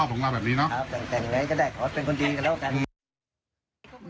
เพิ่งกันอย่างไรก็ได้ควรเป็นคนดีกันแล้วกัน